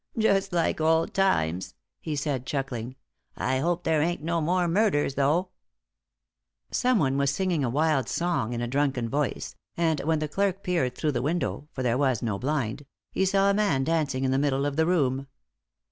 "Just like old times," he said, chuckling. "I hope there ain't no more murders though." Someone was singing a wild song in a drunken voice; and when the clerk peered through the window for there was no blind he saw a man dancing in the middle of the room.